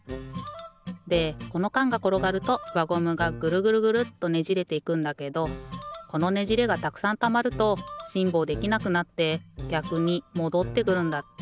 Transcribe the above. でこのかんがころがるとわゴムがぐるぐるぐるっとねじれていくんだけどこのねじれがたくさんたまるとしんぼうできなくなってぎゃくにもどってくるんだって。